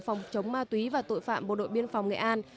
phòng chống ma túy và tội phạm bộ đội biên phòng nghệ an